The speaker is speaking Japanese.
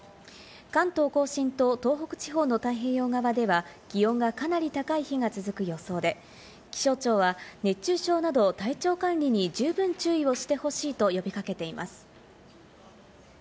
関東甲信と東北地方の太平洋側では気温がかなり高い日が続く予想で、気象庁は熱中症など体調管理に十分注意をしてほしいと呼び掛けています。